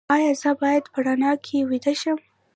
ایا زه باید په رڼا کې ویده شم؟